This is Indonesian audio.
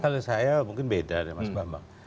kalau saya mungkin beda ya mas bambang